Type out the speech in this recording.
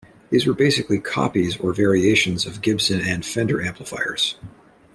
These were basically copies or variations of Gibson and Fender amplifiers.